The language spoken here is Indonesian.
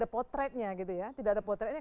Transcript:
akhirnya tidak ada potretnya